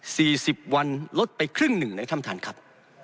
สี่สิบวันลดไปครึ่งหนึ่งนะท่านประทานครับ